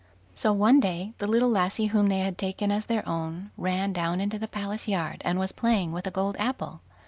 So one day the little lassie whom they had taken as their own, ran down into the palace yard, and was playing with a gold apple.